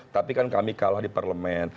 tapi kan kami kalah di parlemen